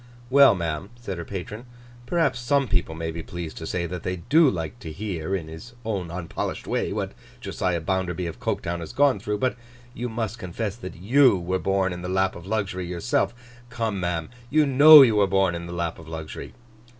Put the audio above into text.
'Well, ma'am,' said her patron, 'perhaps some people may be pleased to say that they do like to hear, in his own unpolished way, what Josiah Bounderby, of Coketown, has gone through. But you must confess that you were born in the lap of luxury, yourself. Come, ma'am, you know you were born in the lap of luxury.